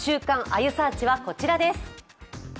あゆサーチ」はこちらです。